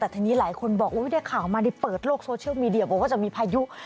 แต่ทีนี้หลายคนบอกได้ข่าวมานี่เปิดโลกโซเชียลมีเดียบอกว่าจะมีพายุ